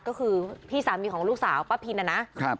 ก็คือพี่สามีของลูกสาวป้าพินนะครับ